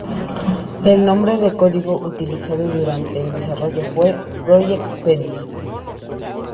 El nombre de código utilizado durante el desarrollo fue "Project Venus".